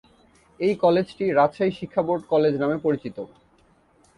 এই কলেজটি "রাজশাহী শিক্ষা বোর্ড কলেজ" নামে পরিচিত।